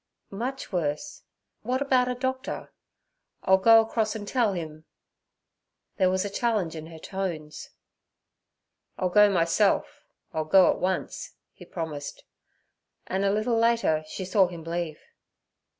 'Much worse. What about a doctor? I'll go across and tell him.' There was a challenge in her tones. 'I'll go myself—I'll go at once' he promised, and a little later she saw him leave.